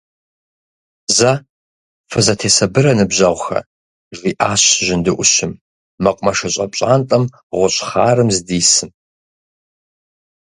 Зэ фызэтесабырэ, ныбжьэгъухэ! – жиӏащ жьынду ӏущым, мэкъумэшыщӏэ пщӏантӏэм гъущӏ хъарым здисым.